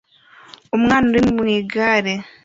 Umwana uri mu igare